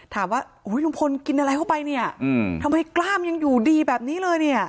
ถามว่าลุงพลกินอะไรเข้าไปเนี่ยทำไมกล้ามยังอยู่ดีแบบนี้เลยเนี่ย